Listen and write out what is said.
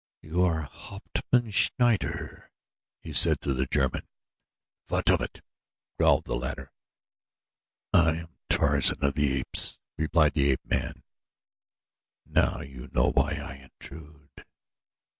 "You are Hauptmann Schneider," he said to the German. "What of it?" growled the latter. "I am Tarzan of the Apes," replied the ape man. "Now you know why I intrude."